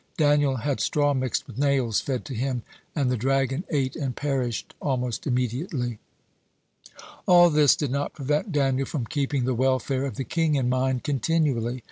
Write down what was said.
Daniel had straw mixed with nails fed to him, and the dragon ate and perished almost immediately. (112) All this did not prevent Daniel from keeping the welfare of the king in mind continually.